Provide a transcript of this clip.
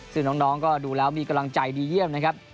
ซึ่งน้องก็ดูแล้วมีกำลังใจดีเยี่ยมนะครับ